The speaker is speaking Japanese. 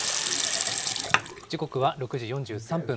時刻は６時４３分。